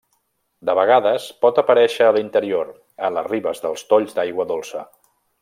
De vegades, pot aparèixer a l'interior, a les ribes dels tolls d'aigua dolça.